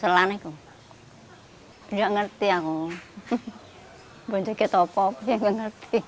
saya tidak mengerti bahwa saya berbunceng